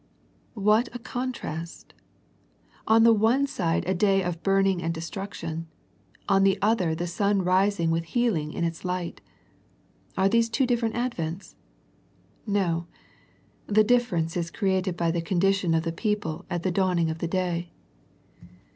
What a con trast. On the one side a day of burning and destruction. On the other the sun rising with healing in its light. Are these two different advents ? No, the difference is created by the condition of the people at the dawning of the day.